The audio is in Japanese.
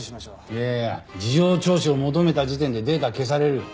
いやいや事情聴取を求めた時点でデータは消される。